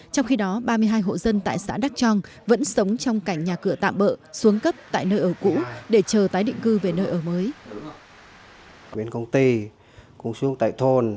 trong khi đó ba mươi hai hộ dân tại xã đắk trang vẫn sống trong cảnh nhà cửa tạm bỡ xuống cấp tại nơi ở cũ để chờ tái định cư về nơi ở mới